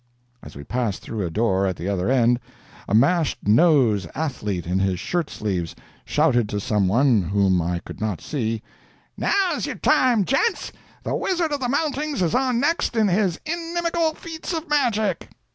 As we passed through a door at the other end, a mashed nosed athlete in his shirt sleeves shouted to some one whom I could not see: "Now's yer time, gents, the wizard of the mountings is on next in his inimicable feats of magic!"